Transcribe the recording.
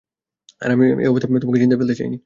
আর আমি এই অবস্থায় তোমাকে চিন্তায় ফেলতে চাইনি।